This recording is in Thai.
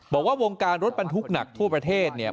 บอกว่าวงการรถบรรทุกหนักทั่วประเทศเนี่ย